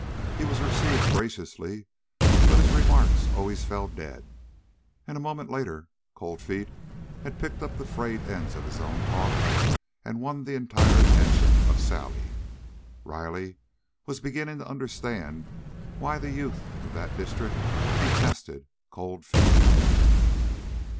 He was received graciously, but his remarks always fell dead, and a moment later Cold Feet had picked up the frayed ends of his own talk and won the entire attention of Sally. Riley was beginning to understand why the youth of that district detested Cold Feet.